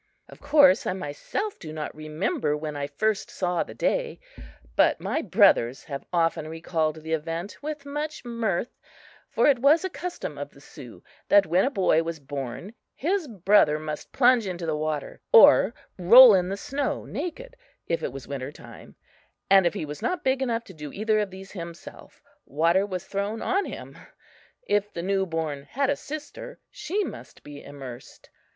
Of course I myself do not remember when I first saw the day, but my brothers have often recalled the event with much mirth; for it was a custom of the Sioux that when a boy was born his brother must plunge into the water, or roll in the snow naked if it was winter time; and if he was not big enough to do either of these himself, water was thrown on him. If the new born had a sister, she must be immersed.